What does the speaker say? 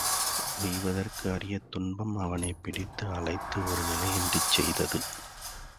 உய்வதற்கு அரிய துன்பம் அவனைப் பிடித்து அலைத்து ஒரு நிலையின்றிச் செய்தது.